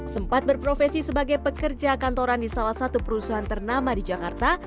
sempat berprofesi sebagai pekerja kantoran di salah satu perusahaan ternama di jakarta